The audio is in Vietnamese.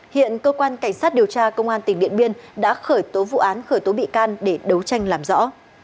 hiện cơ quan cảnh sát điều tra công an tỉnh điện biên đã khởi tố vụ án khởi tố bị can để đấu tranh làm rõ